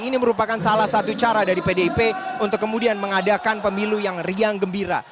ini merupakan salah satu cara dari pdip untuk kemudian mengadakan pemilu yang riang gembira